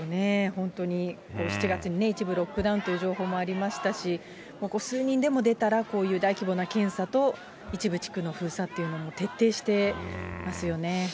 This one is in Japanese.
本当に、７月に一部、ロックダウンという情報もありましたし、数人でも出たら、こういう大規模な検査と、一部地区の封鎖っていうのを徹底してますよね。